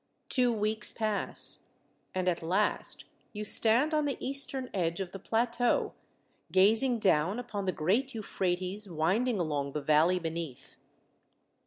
Two weeks pass, and at last you stand on the eastern edge of the plateau gazing down upon the great Euphrates winding along the valley beneath.